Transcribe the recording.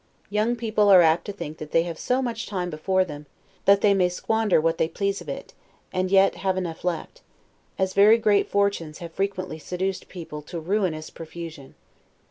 Young people are apt to think that they have so much time before them, that they may squander what they please of it, and yet have enough left; as very great fortunes have frequently seduced people to a ruinous profusion.